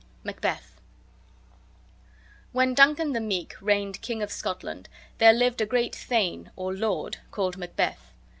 MACBETH When Duncan the Meek reigned King of Scotland there lived a great thane, or lord, called Macbeth.